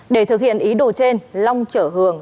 để thực hiện ý đồ trên long trở hường